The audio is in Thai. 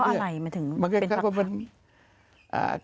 มันเป็นเพราะอะไรมันถึงเป็นเพราะอะไร